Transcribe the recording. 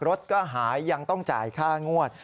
รถก็หายยังต้องจ่ายค่างวด